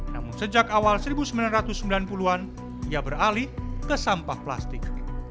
namun sejak awal seribu sembilan ratus sembilan puluh an ia beralih ke sampah plastik